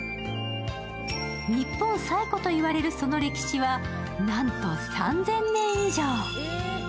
日本最古といわれるその歴史はなんと３０００年以上。